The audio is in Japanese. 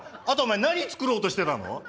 あとお前何作ろうとしてたの？